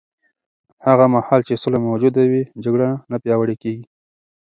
هغه مهال چې سوله موجوده وي، جګړه نه پیاوړې کېږي.